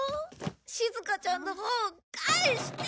しずかちゃんの本返して！